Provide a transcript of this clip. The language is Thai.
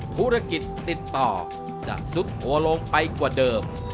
ธุรกิจติดต่อจะซุดโทรลงไปกว่าเดิม